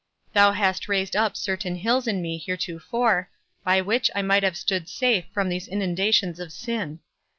Thou hast raised up certain hills in me heretofore, by which I might have stood safe from these inundations of sin.